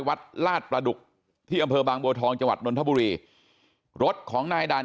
ลาดประดุกที่อำเภอบางบัวทองจังหวัดนนทบุรีรถของนายด่าน